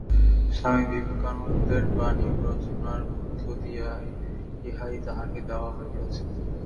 স্বামী বিবেকানন্দের বাণী ও রচনার মধ্য দিয়া ইহাই তাহাকে দেওয়া হইয়াছে।